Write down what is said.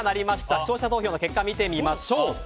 視聴者投票の結果を見てみましょう。